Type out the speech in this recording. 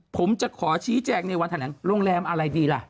ผมจะขอชี้แจงในวันแถลงโรงแรมอะไรดีล่ะ